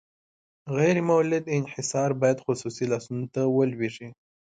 غیر مولد انحصار باید خصوصي لاسونو ته ولویږي.